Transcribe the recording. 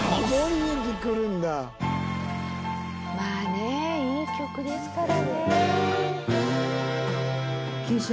まあねいい曲ですからね。